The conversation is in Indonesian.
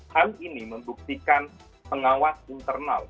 hal ini membuktikan pengawas internal